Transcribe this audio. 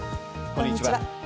こんにちは。